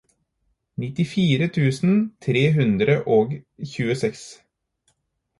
nittifire tusen tre hundre og tjueseks